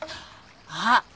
あっ！